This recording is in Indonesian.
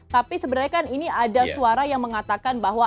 tapi sebenarnya kan ini ada suara yang mengatakan bahwa